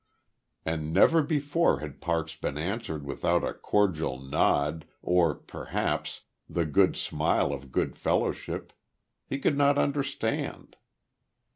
And never before had Parks been answered without a cordial nod, or, perhaps, the good smile of good fellowship.... He could not understand.